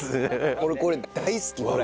俺これ大好きこれ。